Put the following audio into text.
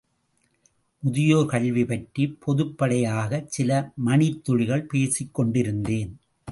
முதியோர் கல்வி பற்றிப் பொதுப்படையாகச் சில மணித்துளிகள் பேசிக் கொண்டிருந்தேன்.